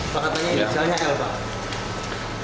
pak katanya kerjanya l pak